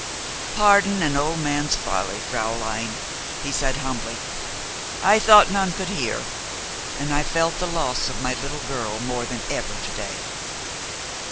"Pardon an old man's folly, fräulein," he said humbly. "I thought none could hear, and I felt the loss of my little girl more than ever to day."